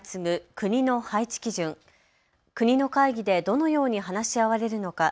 国の会議でどのように話し合われるのか。